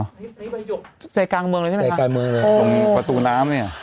นี่บะหยกใจการเมืองเลยใช่ไหมคะตรงประตูน้ำนี่